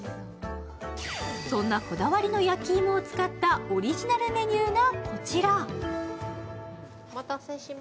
そんなこだわりの焼き芋を使ったオリジナルメニューがこちら。